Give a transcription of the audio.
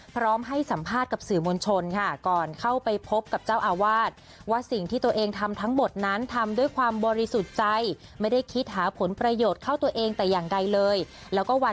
พร้อมให้สัมภาษณ์กับสื่อมวลชนค่ะ